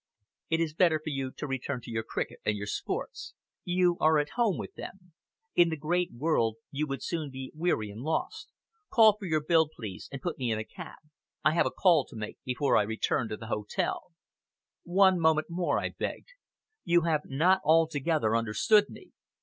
It is better for you to return to your cricket and your sports. You are at home with them; in the great world you would soon be weary and lost. Call for your bill, please, and put me in a cab. I have a call to make before I return to the hotel" "One moment more," I begged. "You have not altogether understood me!